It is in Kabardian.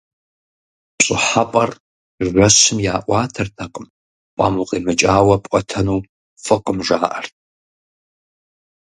ПщӀыхьэпӀэр жэщым яӀуатэртэкъым, пӀэм укъимыкӀауэ пӀуэтэну фӀыкъым, жаӀэрт.